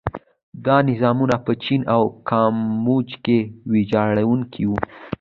دا نظامونه په چین او کامبوج کې ویجاړوونکي وو.